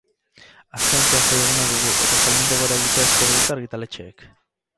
Asteartea jai eguna dugu, eta salmentek gora egitea espero dute argitaletxeek.